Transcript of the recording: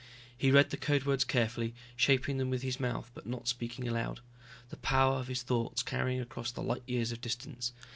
He read the code words carefully, shaping them with his mouth but not speaking aloud, the power of his thoughts carrying across the light years of distance.